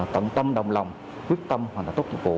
tận tâm đồng lòng quyết tâm hoàn thành tốt nhiệm vụ